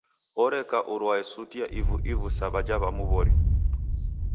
Oreka urwae suti ya ivu-ivu sa w'aja w'amu w'ori